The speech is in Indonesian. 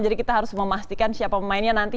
jadi kita harus memastikan siapa pemainnya nanti